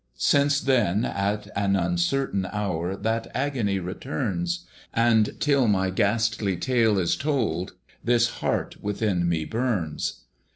Since then, at an uncertain hour, That agony returns; And till my ghastly tale is told, This heart within me burns.